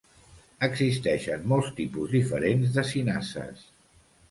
Existeixen molts tipus diferents de cinases.